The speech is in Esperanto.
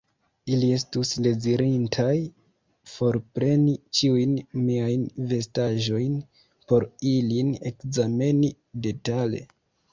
Ili estus dezirintaj forpreni ĉiujn miajn vestaĵojn, por ilin ekzameni detale.